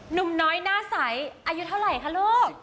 หนุ่มน้อยหน้าใสอายุเท่าไหร่คะลูก